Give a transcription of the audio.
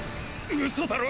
ウソだろ！？